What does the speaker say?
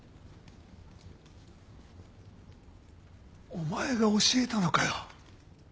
お前が教えたのかよ。